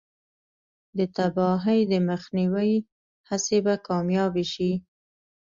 د تباهۍ د مخنیوي هڅې به کامیابې شي.